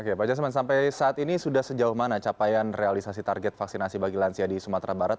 oke pak jasman sampai saat ini sudah sejauh mana capaian realisasi target vaksinasi bagi lansia di sumatera barat